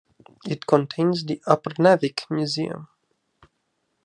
It contains the Upernavik Museum.